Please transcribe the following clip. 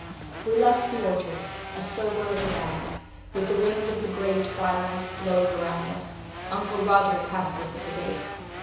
We left the orchard, a sober little band, with the wind of the gray twilight blowing round us. Uncle Roger passed us at the gate.